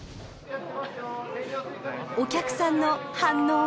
お客さんの反応は？